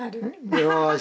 よし。